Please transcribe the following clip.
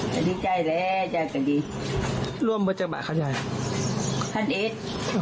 ก็ดีใจแล้วจ้ะก็ดีร่วมบัจจักรบาทข้าใยท่านเอ็ดอ๋อ